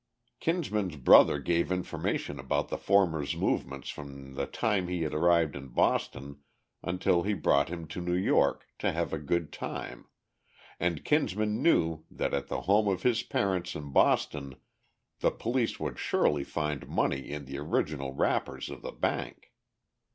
Kinsman's brother gave information about the former's movements from the time he had arrived in Boston until he brought him to New York to have a good time, and Kinsman knew that at the home of his parents in Boston the police would surely find money in the original wrappers of the bank.